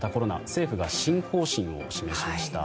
政府が新方針を示しました。